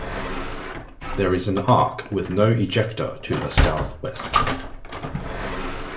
There is an arc with no ejecta to the southwest.